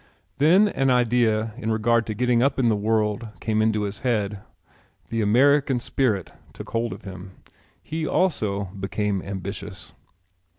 Then an idea in regard to getting up in the world came into his head. The American spirit took hold of him. He also became ambitious.